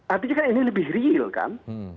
artinya kan ini lebih real kan